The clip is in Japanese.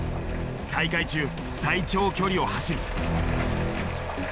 大会中最長距離を走る。